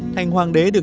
thành hoàng đế được